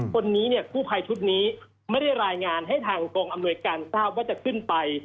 คุณผ่ายชุดนี้ไม่ได้รายงานให้ทางกองอำนวยการทราบว่าจะขึ้นไป